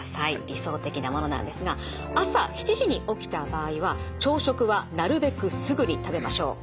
理想的なものなんですが朝７時に起きた場合は朝食はなるべくすぐに食べましょう。